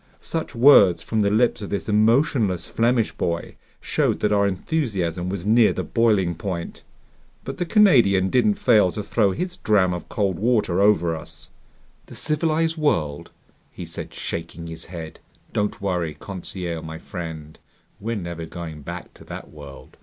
Such words from the lips of this emotionless Flemish boy showed that our enthusiasm was near the boiling point. But the Canadian didn't fail to throw his dram of cold water over us. "The civilized world!" he said, shaking his head. "Don't worry, Conseil my friend, we're never going back to that world!"